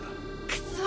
クソ。